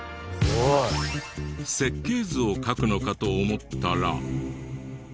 設計図を書くのかと思ったら。